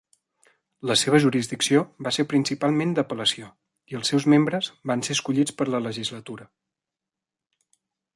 La seva jurisdicció va ser principalment d'apel·lació, i els seus membres van ser escollits per la legislatura.